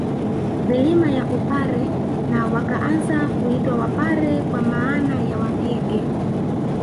Milima ya Upare na wakaanza kuitwa Wapare kwa maana ya wapige